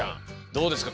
どうですか？